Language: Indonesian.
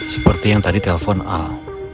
seperti yang tadi telpon al